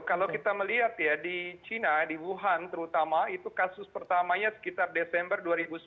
kalau kita melihat ya di china di wuhan terutama itu kasus pertamanya sekitar desember dua ribu sembilan belas